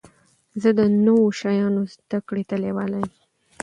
زه د نوو شیانو زده کړي ته لېواله يم.